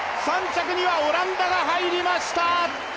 ３着にはオランダが入りました！